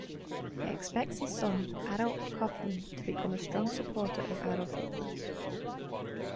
He expects his son, Adolf Kaufmann, to become a strong supporter of Adolf Hitler.